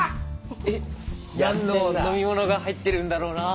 えっ何の飲み物が入ってるんだろうな。